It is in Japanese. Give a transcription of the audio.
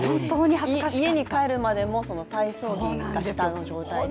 家に帰るまでも体操着が下の状態で？